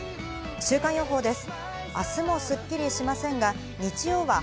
週間予報です。